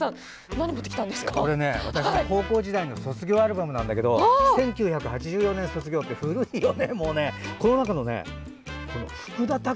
これね、高校時代の卒業アルバムなんだけど１９８４年卒業って古いよね！